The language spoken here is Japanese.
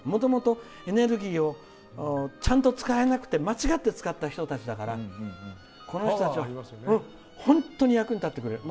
もともとエネルギーをちゃんと使えなくて間違って、使った人たちだから本当に役にたってくれる。